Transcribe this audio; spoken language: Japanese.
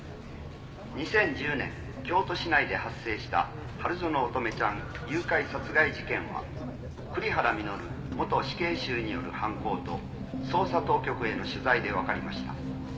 「２０１０年京都市内で発生した春薗乙女ちゃん誘拐殺害事件は栗原稔元死刑囚による犯行と捜査当局への取材でわかりました」